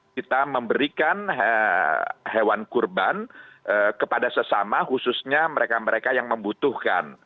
kita memberikan hewan kurban kepada sesama khususnya mereka mereka yang membutuhkan